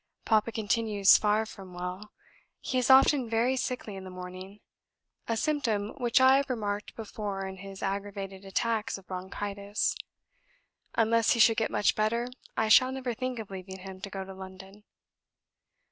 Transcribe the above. Papa continues far from well; he is often very sickly in the morning, a symptom which I have remarked before in his aggravated attacks of bronchitis; unless he should get much better, I shall never think of leaving him to go to London.